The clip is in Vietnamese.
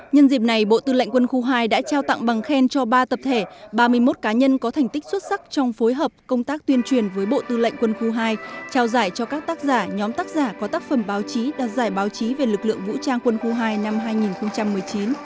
nhân dịp này bộ tư lệnh quân khu hai đã trao tặng bằng khen cho ba tập thể ba mươi một cá nhân có thành tích xuất sắc trong phối hợp công tác tuyên truyền với bộ tư lệnh quân khu hai trao giải cho các tác giả nhóm tác giả có tác phẩm báo chí đạt giải báo chí về lực lượng vũ trang quân khu hai năm hai nghìn một mươi chín